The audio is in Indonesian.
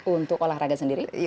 untuk olahraga sendiri